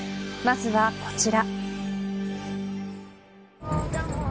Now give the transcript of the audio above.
まずは、こちら。